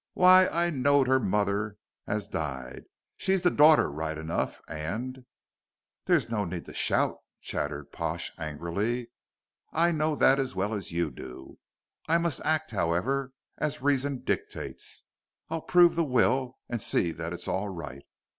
"Why, I knowed her mother as died. She's the daughter right enough, and " "There's no need to shout," chattered Pash, angrily. "I know that as well as you do; I must act, however, as reason dictates. I'll prove the will and see that all is right."